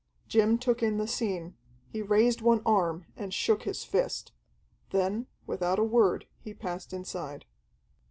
Jim took in the scene, he raised one arm and shook his fist. Then, without a word, he passed inside.